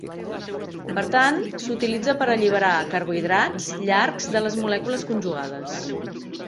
Per tant, s'utilitza per alliberar carbohidrats llargs de les molècules conjugades.